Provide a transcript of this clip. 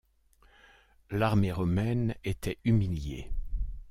L'armée romaine étaient humiliées.